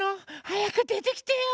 はやくでてきてよ。